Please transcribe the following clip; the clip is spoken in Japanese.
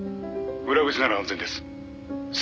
「裏口なら安全です。